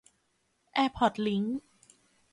แอร์พอร์ตลิงก์